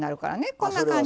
こんな感じ。